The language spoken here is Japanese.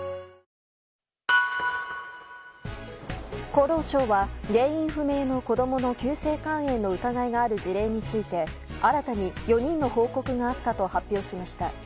厚労省は原因不明の子供の急性肝炎の疑いがある事例について新たに４人の報告があったと発表しました。